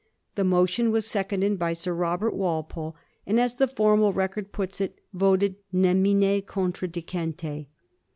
The motion was seconded by Sir Robert Walpole, and, as the formal record puts it, ^ voted nemine contradicmte.